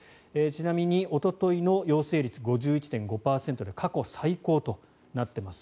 ちなみにおとといの陽性率５１．５％で過去最高となっています。